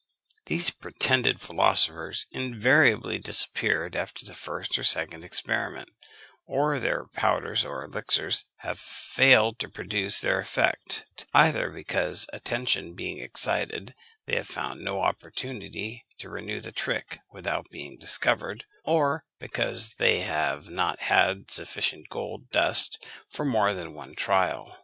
These pretended philosophers invariably disappeared after the first or second experiment, or their powders or elixirs have failed to produce their effect, either because attention being excited they have found no opportunity to renew the trick without being discovered, or because they have not had sufficient gold dust for more than one trial.